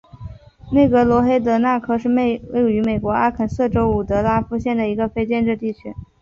内格罗黑德科纳是位于美国阿肯色州伍德拉夫县的一个非建制地区。